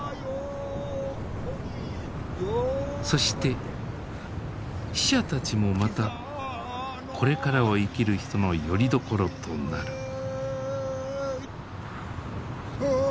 そして死者たちもまたこれからを生きる人のよりどころとなる。